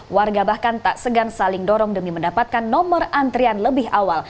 warga bahkan tak segan saling dorong demi mendapatkan nomor antrian lebih awal